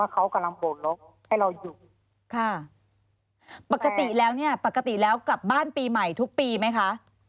ค่ะปกติแล้วกลับบ้านปีใหม่ทุกปีไหมคะ